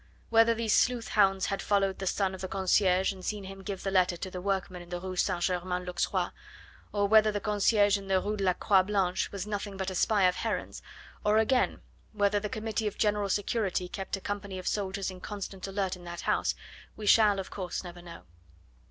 Whether these sleuth hounds had followed the son of the concierge and seen him give the letter to the workman in the Rue St. Germain l'Auxerrois, or whether the concierge in the Rue de la Croix Blanche was nothing but a spy of Heron's, or, again whether the Committee of General Security kept a company of soldiers in constant alert in that house, we shall, of course, never know.